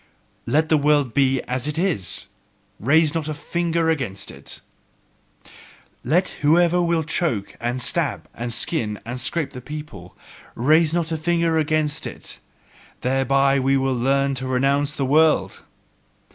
"Let the world be as it is! Raise not a finger against it!" "Let whoever will choke and stab and skin and scrape the people: raise not a finger against it! Thereby will they learn to renounce the world."